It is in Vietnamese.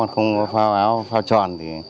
còn không có phao áo phao tròn